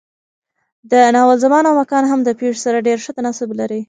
د ناول زمان او مکان هم د پېښو سره ډېر ښه تناسب لري.